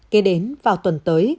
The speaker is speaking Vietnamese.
kế đến vào tuần tới